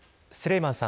スレイマンさん。